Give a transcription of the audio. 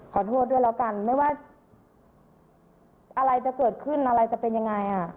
ขอโทษด้วยแล้วกันไม่ว่าอะไรจะเกิดขึ้นอะไรจะเป็นยังไงอ่ะ